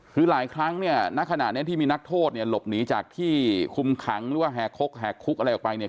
คือหลายครั้งเนี่ยณขณะนี้ที่มีนักโทษเนี่ยหลบหนีจากที่คุมขังหรือว่าแหกคกแหกคุกอะไรออกไปเนี่ย